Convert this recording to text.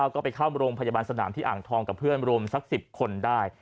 ก็ไปเข้าโรงพยาบาลสนามที่อ่างทองกับเพื่อนรวมสัก๑๐คนได้